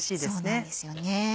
そうなんですよね。